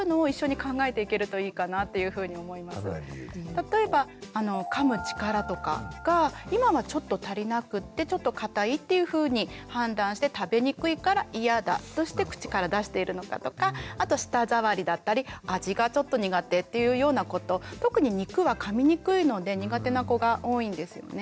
例えばかむ力とかが今はちょっと足りなくてちょっと硬いっていうふうに判断して食べにくいから嫌だとして口から出しているのかとかあと舌触りだったり味がちょっと苦手っていうようなこと特に肉はかみにくいので苦手な子が多いんですよね。